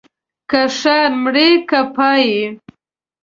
که ښار مرې که پايي.